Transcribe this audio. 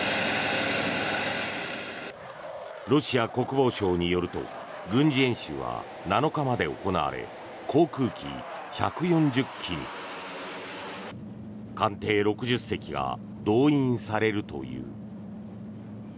ロシア国防省によると軍事演習は７日まで行われ航空機１４０機に艦艇６０隻が動員されるという。